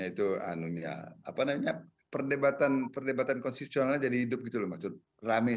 kita mengajak akademik audiens kita menjadi aware dengan persoalan persoalan ini